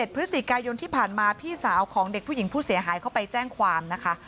พฤศจิกายนที่ผ่านมาพี่สาวของเด็กผู้หญิงผู้เสียหายเข้าไปแจ้งความนะคะ